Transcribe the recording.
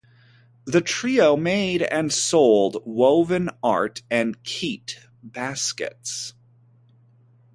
The trio made and sold woven art and kete (baskets).